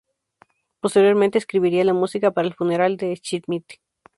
Posteriormente, escribiría la música para el funeral de Schmidt.